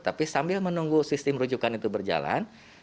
tapi sambil menunggu sistem rujukan itu berjalan